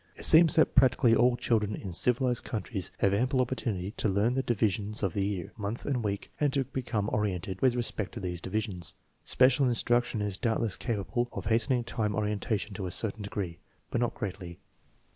It seems that practically all children in civilized countries have ample opportunity to learn the divisions of the year, month, and week, and TEST NO. IX, 1 235 to become oriented with respect to these divisions. Special instruction is doubtless capable of hastening time orienta tion to a certain degree, but not greatly.